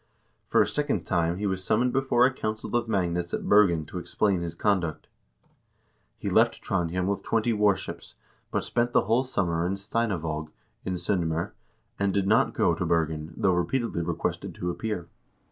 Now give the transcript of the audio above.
For a second time he was summoned before a council of magnates at Bergen to explain his conduct. He left Trondhjem with twenty warships, but spent the whole summer in Steinavaag, in S0ndm0r, and did not go to Bergen, though repeatedly requested to appear.